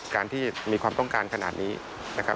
การที่มีความต้องการขนาดนี้นะครับ